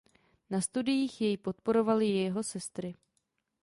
Na studiích jej podporovaly jeho sestry.